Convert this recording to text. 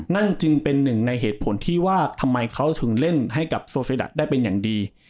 นั่นจึงเป็นหนึ่งในเหตุผลที่ว่าทำไมเขาถึงเล่นให้กับโซเซดะได้เป็นอย่างดี